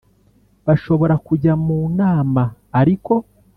Bashobora kujya nu nama ariko